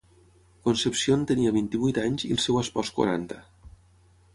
Concepción tenia vint-i-vuit anys i el seu espòs quaranta.